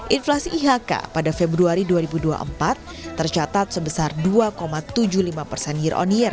inflasi ihk pada februari dua ribu dua puluh empat tercatat sebesar dua tujuh puluh lima persen year on year